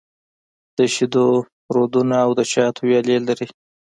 د شېدو رودونه او د شاتو ويالې لري.